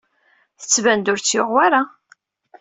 Tettban-d ur tt-yuɣ wara.